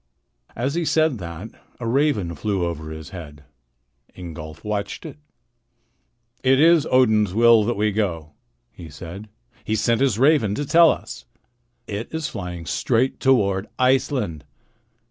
As he said that, a raven flew over his head. Ingolf watched it. "It is Odin's will that we go," he said. "He sent his raven to tell us. It is flying straight toward Iceland."